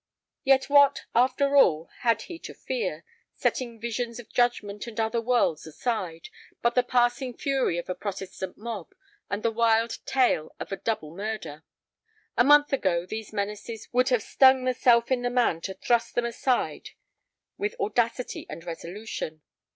Yet what, after all, had he to fear, setting visions of judgment and other worlds aside, but the passing fury of a Protestant mob and the wild tale of a double murder? A month ago these menaces would have stung the self in the man to thrust them aside with audacity and resolution.